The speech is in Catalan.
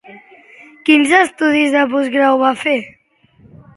Quins estudis de postgrau va fer?